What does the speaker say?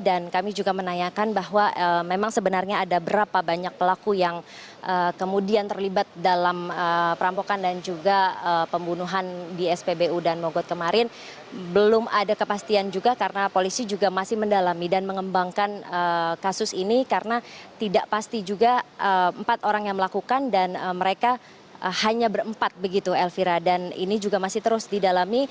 dan kami juga menanyakan bahwa memang sebenarnya ada berapa banyak pelaku yang kemudian terlibat dalam perampokan dan juga pembunuhan di spbu dan mogot kemarin belum ada kepastian juga karena polisi juga masih mendalami dan mengembangkan kasus ini karena tidak pasti juga empat orang yang melakukan dan mereka hanya berempat begitu elvira dan ini juga masih terus didalami